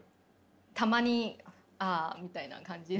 たまにあみたいな感じで。